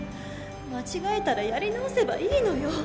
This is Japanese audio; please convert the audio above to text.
間違えたらやり直せばいいのよ